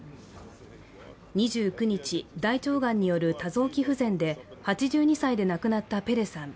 ２９日、大腸がんによる多臓器不全で８２歳で亡くなったペレさん。